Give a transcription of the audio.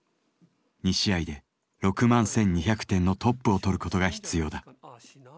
２試合で６１２００点のトップをとることが必要だ。